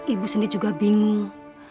ibu sendiri juga bingung